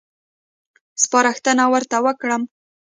سپارښتنه ورته وکړم.